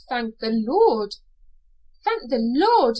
Thank the Lord!" "Thank the Lord!"